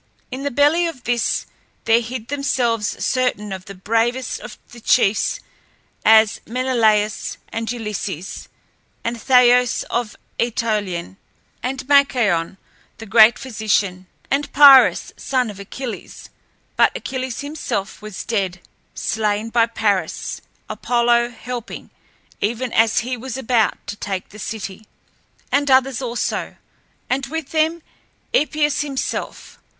In the belly of this there hid themselves certain of the bravest of the chiefs, as Menelaüs, and Ulysses, and Thoas the Ætolian, and Machaon the great physician, and Pyrrhus, son of Achilles (but Achilles himself was dead, slain by Paris, Apollo helping, even as he was about to take the city), and others also, and with them Epeius himself.